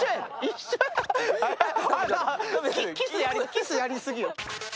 キス、やりすぎよ。